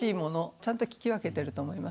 ちゃんと聞き分けてると思います。